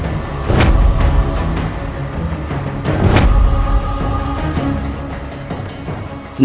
dan aku anggap